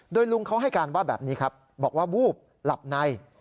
โดยลุงเขาให้การว่าแบบนี้ครับบอกว่าวูบหลับใน